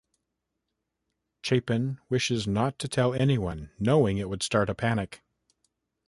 Chapin wishes not to tell anyone, knowing it would start a panic.